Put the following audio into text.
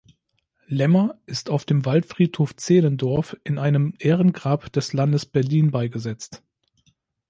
Lemmer ist auf dem Waldfriedhof Zehlendorf in einem Ehrengrab des Landes Berlin beigesetzt.